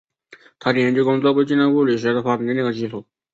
他的研究工作为近代数学的发展奠定了基础。